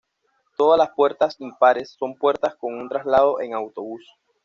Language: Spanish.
Todas las puertas impares son puertas con un traslado en autobús.